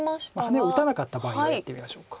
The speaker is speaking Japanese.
ハネを打たなかった場合をやってみましょうか。